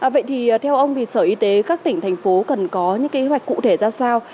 vậy thì theo ông thì sở y tế các tỉnh thành phố cần có những kế hoạch cụ thể ra sao